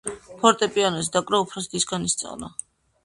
ფორტეპიანოზე დაკვრა უფროსი დისგან ისწავლა.